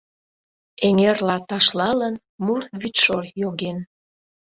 Эҥерла ташлалын, мур вӱдшор йоген.